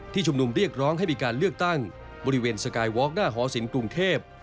ทุกร้องให้มีการเลือกตั้งบริเวณสกายวอล์กหน้าหอสินกรุงเทพฯ